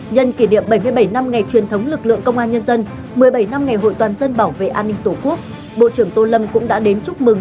nhân kỷ niệm bảy mươi bảy năm ngày truyền thống lực lượng công an nhân dân một mươi bảy năm ngày hội toàn dân bảo vệ an ninh tổ quốc bộ trưởng tô lâm cũng đã đến chúc mừng